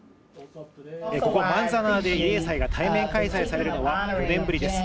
ここマンザナーで慰霊祭が対面開催されるのは４年ぶりです。